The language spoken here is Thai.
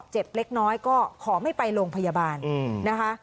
เล็กน้อยก็ขอไม่ไปโรงพยาบาลนะคะ